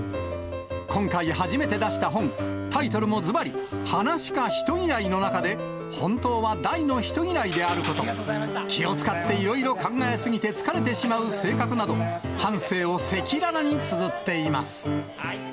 今回、初めて出した本、タイトルもずばり、噺家人嫌いの中で、本当は大の人嫌いであること、気を遣っていろいろ考え過ぎて疲れてしまう性格など、半生を赤裸々につづっています。